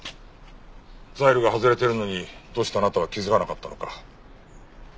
ザイルが外れているのにどうしてあなたは気づかなかったのか。